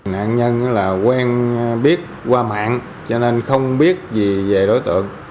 nạn nhân là quen biết qua mạng cho nên không biết gì về đối tượng